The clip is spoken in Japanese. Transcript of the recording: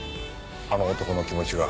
あの男の気持ちが。